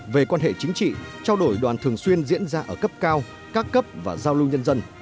về quan hệ chính trị trao đổi đoàn thường xuyên diễn ra ở cấp cao các cấp và giao lưu nhân dân